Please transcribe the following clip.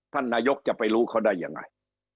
ท่านนายกจะไปรู้เขาได้ยังไง